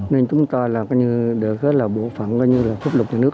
nên chúng ta là có như được hết là bộ phận có như là phúc lục nhà nước